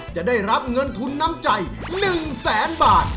จะได้รับเงินทุนน้ำใจ๑แสนบาท